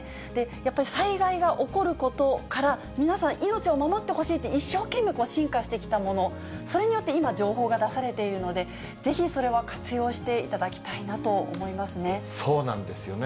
やっぱり災害が起こることから、皆さん、命を守ってほしいって一生懸命進化してきたもの、それによって今、情報が出されているので、ぜひそれは活用していただきたいなと思そうなんですよね。